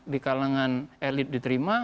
di kalangan elit diterima